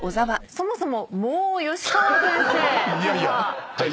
そもそももぉ吉川先生とは。